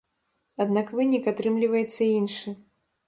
Аднак вынік атрымліваецца іншы.